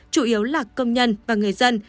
chủ yếu là công nhân và người dân